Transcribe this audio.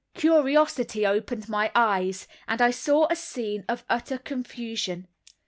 Curiosity opened my eyes, and I saw a scene of utter confusion.